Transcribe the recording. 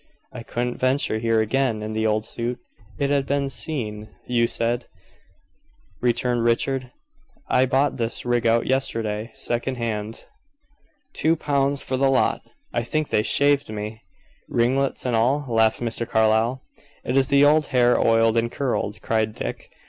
"I couldn't venture here again in the old suit; it had been seen, you said," returned Richard. "I bought this rig out yesterday, second hand. Two pounds for the lot I think they shaved me." "Ringlets and all?" laughed Mr. Carlyle. "It's the old hair oiled and curled," cried Dick.